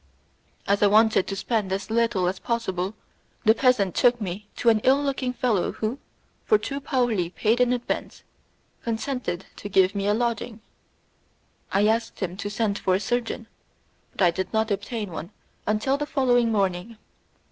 As I wanted to spend as little as possible, the peasant took me to an ill looking fellow who, for two paoli paid in advance, consented to give me a lodging. I asked him to send for a surgeon, but I did not obtain one until the following morning.